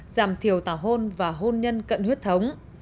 giảm thiểu tảo hôn và hôn nhân cận huyết thống